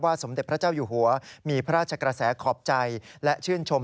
สมเด็จพระเจ้าอยู่หัวมีพระราชกระแสขอบใจและชื่นชม